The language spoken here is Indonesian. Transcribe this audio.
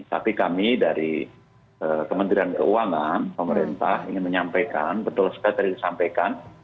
tapi kami dari kementerian keuangan pemerintah ingin menyampaikan betul sekali tadi disampaikan